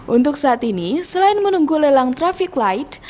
untuk saat ini selain menunggu lelang traffic light